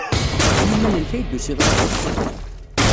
I yiman-nnek ay d-tusiḍ ass-a?